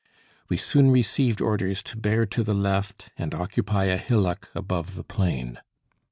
We soon received orders to bear to the left and occupy a hillock above the plain.